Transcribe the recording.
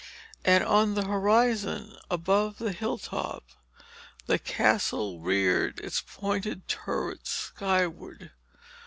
And on the horizon above the hilltop, the Castle reared its pointed turrets skyward.